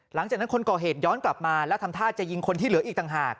หลังจากนั้นคนก่อเหตุย้อนกลับมาแล้วทำท่าจะยิงคนที่เหลืออีกต่างหาก